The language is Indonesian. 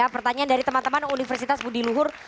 pertanyaan dari teman teman universitas budiluhur